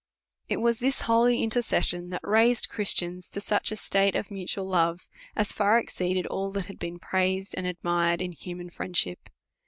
It was this holy intercession that raised Christians to such a state of mutual love, as far exceeded all that had been praised and admired in human friendship.